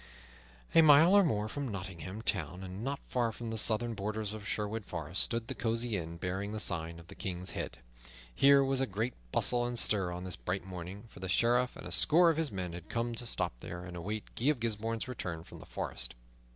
A mile or more from Nottingham Town, and not far from the southern borders of Sherwood Forest, stood the cosy inn bearing the sign of the King's Head. Here was a great bustle and stir on this bright morning, for the Sheriff and a score of his men had come to stop there and await Guy of Gisbourne's return from the forest.